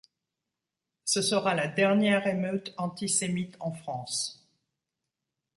Ce sera la dernière émeute antisémite en France.